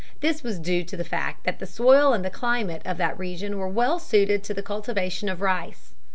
This was due to the fact that the soil and climate of that region were well suited to the cultivation of rice.